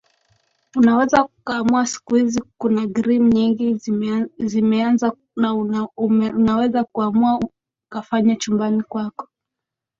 unaweza ukaamua siku hizi kuna gim nyingi zimeanza na unaweza ukaamua ukafanya chumbani kwako